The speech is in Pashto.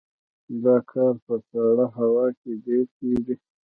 دا کار په سړه هوا کې ډیر کیږي